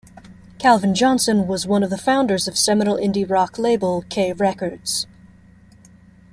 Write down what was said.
Calvin Johnson was one of the founders of seminal indie-rock label K Records.